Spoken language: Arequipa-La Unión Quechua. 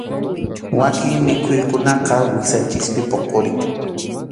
Wakin mikhuykunaqa wiksanchikpi puqurin.